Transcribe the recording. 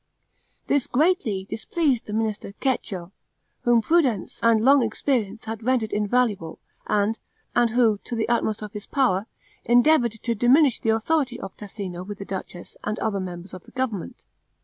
This greatly displeased the minister Cecco, whom prudence and long experience had rendered invaluable; and who, to the utmost of his power, endeavored to diminish the authority of Tassino with the duchess and other members of the government.